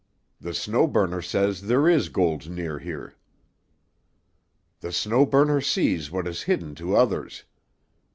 The Snow Burner says there is gold near here. "The Snow Burner sees what is hidden to others.